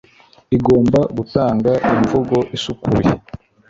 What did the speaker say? Igomba gutanga imvugo isukuye